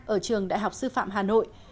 ở trường đại học sư phạm hà nội